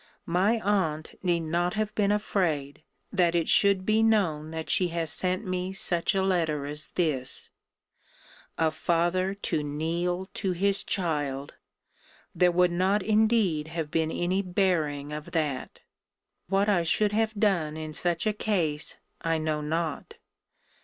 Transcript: My aunt need not have been afraid, that it should be known that she has sent me such a letter as this! A father to kneel to his child! There would not indeed have been any bearing of that! What I should have done in such a case, I know not.